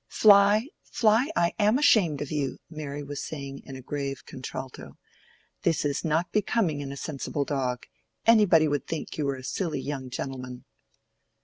"Fly, Fly, I am ashamed of you," Mary was saying in a grave contralto. "This is not becoming in a sensible dog; anybody would think you were a silly young gentleman."